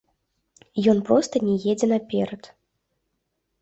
Ён проста не едзе наперад.